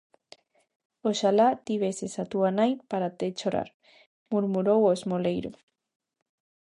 Oxalá tiveses a túa nai para te chorar! -murmurou o esmoleiro.